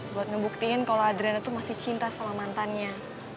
buat ngebuktiin kalau adriana tuh masih cinta sama mantannya